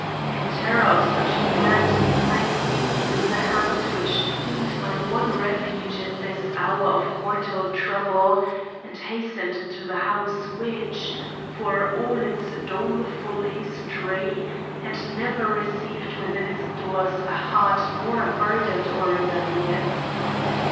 In terror of such an event, I seized the hand which seemed my one refuge in this hour of mortal trouble, and hastened into the house which, for all its doleful history, had never received within its doors a heart more burdened or rebellious.